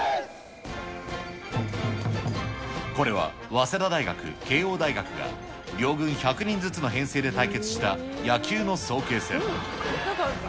これは、早稲田大学、慶應大学が、両軍１００人ずつの編成で対決した野球の早慶戦。